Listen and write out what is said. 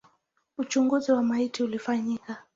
Uchunguzi wa maiti ulifanyika.